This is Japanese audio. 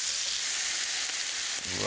うわ